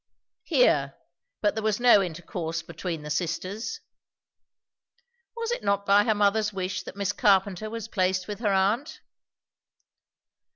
"Here; but there was no intercourse between the sisters." "Was it not by her mother's wish that Miss Carpenter was placed with her aunt?"